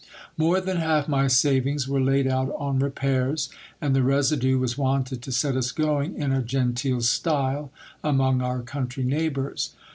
More than half my savings were laid out on repairs ; and the residue was wanted to set us going in a genteel style among our country neigh bours.